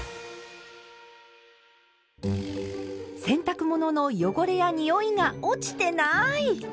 洗濯物の汚れやにおいが落ちてない！